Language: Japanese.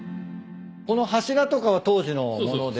この柱とかは当時の物で。